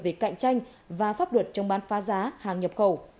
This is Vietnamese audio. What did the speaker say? về cạnh tranh và pháp luật trong bán phá giá hàng nhập khẩu